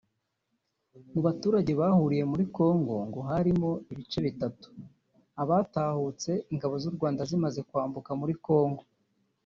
Mu baturage bahungiye muri Congo ngo harimo ibice bitatu; abatahutse Ingabo z’u Rwanda zimaze kwambuka muri Congo